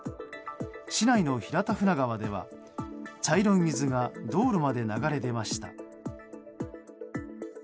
市内の平田船川では、茶色い水が道路まで流れ出ました。